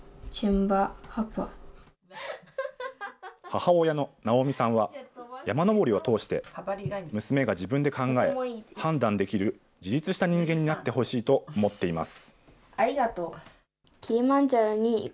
母親の直美さんは、山登りを通して、娘が自分で考え、判断できる自立した人間になってほしいと思っています。